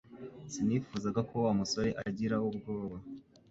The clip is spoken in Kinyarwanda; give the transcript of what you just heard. Sinifuzaga ko Wa musore agira ubwoba